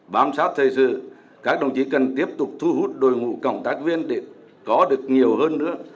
bám sát thời sự các đồng chí cần tiếp tục thu hút đội ngũ cộng tác viên để có được nhiều hơn nữa